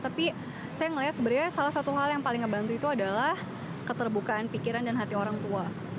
tapi saya melihat sebenarnya salah satu hal yang paling ngebantu itu adalah keterbukaan pikiran dan hati orang tua